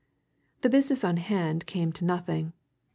The business on hand came to nothing.